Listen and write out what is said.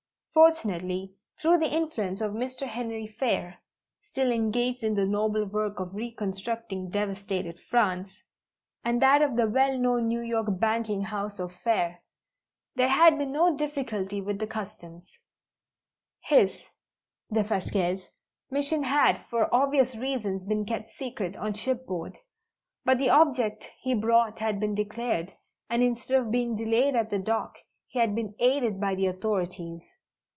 Fortunately, through the influence of Mr. Henry Phayre (still engaged in the noble work of reconstructing devastated France), and that of the well known New York banking house of Phayre, there had been no difficulty with the Customs. His Defasquelle's mission had for obvious reasons been kept secret on shipboard, but the object he brought had been declared, and instead of being delayed at the dock, he had been aided by the authorities.